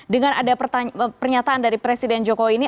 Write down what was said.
dengan ada pernyataan dari presiden jokowi ini